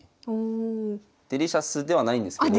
デリシャスではないんですけど。